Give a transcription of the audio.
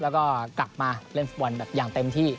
แล้วก็กลับมาเล่นฟุตบอลแบบอย่างเต็มที่